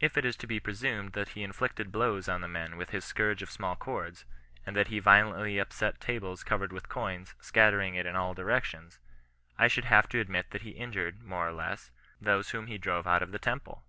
If it is to be presumed that he inflicted blows on the men with his scourge of small cords, and that ho violently upset tables covered with coin scatteriu^ it in all directions, I should have to ad CHRISTIAN NON RESISTANCE. SJ mit that he injured, more or less, those whom he drove out of the temple.